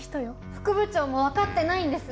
副部長もわかってないんです！